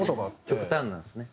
極端なんですね。